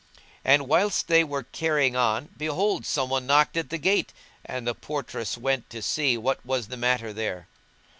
[FN#171] And whilst they were carrying on, behold, some one knocked at the gate, and the portress went to see what was the matter there.